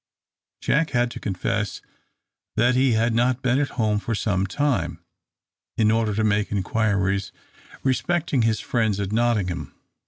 Jack had to confess that he had not been at home for some time, in order to make inquiries respecting his friends at Nottingham.